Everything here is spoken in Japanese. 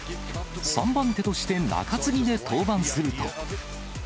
３番手として中継ぎで登板すると。